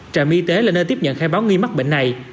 trạm y tế là nơi tiếp nhận khai báo nghi mắc bệnh này